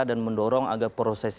dan mendorong agar proses